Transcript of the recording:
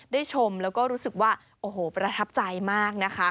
ชมแล้วก็รู้สึกว่าโอ้โหประทับใจมากนะคะ